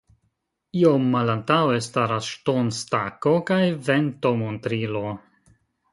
Iom malantaŭe staras ŝtonstako kaj ventomontrilo.